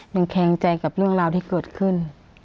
ยังแขงใจเรื่องราวที่เกิดขึ้น